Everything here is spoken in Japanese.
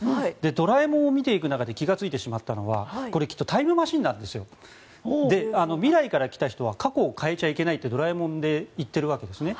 「ドラえもん」を見ていく中で気がついてしまったのはきっとタイムマシーンなんです未来から来た人は過去を変えちゃいけないって「ドラえもん」で言っているわけですね。